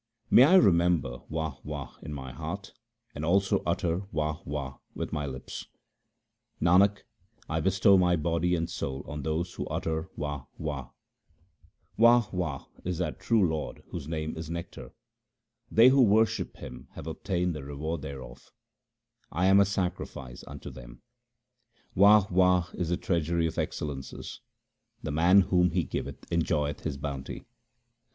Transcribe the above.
May I remember Wah ! Wah ! in my heart and also utter Wah ! Wah ! with my lips ! Nanak, I bestow my body and soul on those who utter Wah! Wah! Wah ! Wah ! is that true Lord whose name is nectar. They who worship Him have obtained the reward thereof — I am a sacrifice unto them. Wah ! Wah ! is the Treasury of excellences ; the man to whom He giveth enjoyeth His bounty.